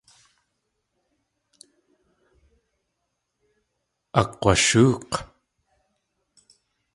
Akg̲washóok̲.